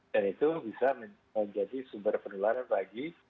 dan itu bisa menjadi sumber penularan bagi